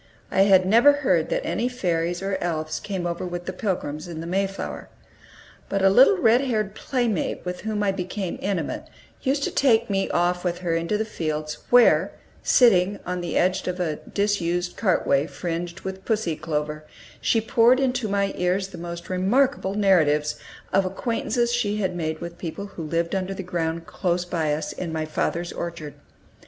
I had never heard that any fairies or elves came over with the Pilgrims in the Mayflower. But a little red haired playmate with whom I became intimate used to take me off with her into the fields, where, sitting, on the edge of a disused cartway fringed with pussy clover, she poured into my ears the most remarkable narratives of acquaintances she had made with people who lived under the ground close by us, in my father's orchard.